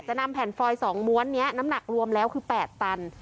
นำแผ่นฟอย๒ม้วนนี้น้ำหนักรวมแล้วคือ๘ตัน